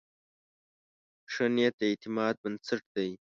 ښه نیت د اعتماد بنسټ دی.